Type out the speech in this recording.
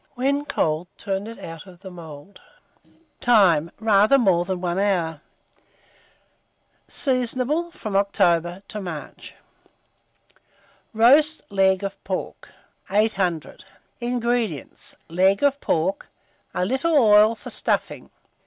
When cold, turn it out of the mould. Time. Rather more than 1 hour. Seasonable from October to March. ROAST LEG OF PORK. [Illustration: ROAST LEG OF PORK.] 800. INGREDIENTS. Leg of pork, a little oil for stuffing.